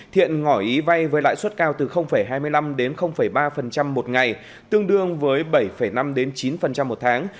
thiện ngỏ ý vay với lãi suất cao từ hai mươi năm đến ba một ngày tương đương với bảy năm đến chín một tháng